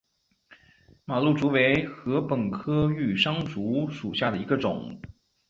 马鹿竹为禾本科玉山竹属下的一个种。